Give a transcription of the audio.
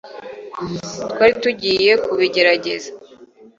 twari tugiye kubigerageza